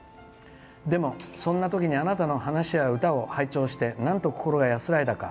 でも、そんなときにあなたの話や歌を拝聴してなんと心が安らいだか。